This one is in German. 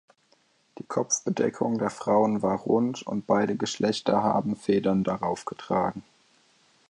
Die Kopfbedeckung der Frauen war rund und beide Geschlechter haben Federn darauf getragen.